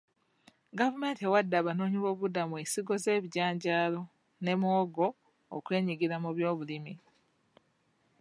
Gavumenti ewadde abanoonyi b'obubuddamu ensigo z'ebijanjalo ne mawongo okwenyigira mu by'obulimi.